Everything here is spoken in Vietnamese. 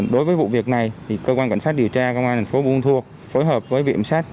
đối với vụ việc này thì cơ quan cảnh sát điều tra công an thành phố buôn thua phối hợp với viện sát